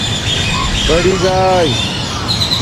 بڑئ گاݺ